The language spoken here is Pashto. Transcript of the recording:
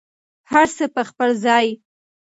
هر څه په خپل ځای.